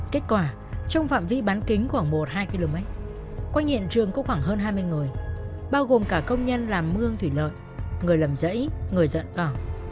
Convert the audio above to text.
kết quả trong phạm vi bán kính khoảng một hai km quanh hiện trường có khoảng hơn hai mươi người bao gồm cả công nhân làm mương thủy lợi người lầm dẫy người giận cỏ